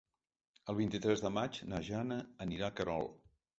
El vint-i-tres de maig na Jana anirà a Querol.